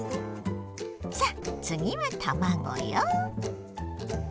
さあつぎは卵よ。